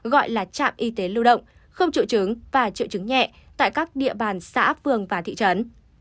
gọi là trạm y tế lưu động không triệu chứng và triệu chứng nhẹ tại các địa bàn xã phường và thị trấn